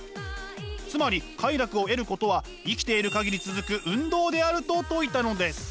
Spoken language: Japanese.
つまり快楽を得ることは生きている限り続く運動であると説いたのです。